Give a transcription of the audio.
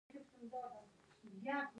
هغوی د نجونو غوښتنې له پامه غورځولې.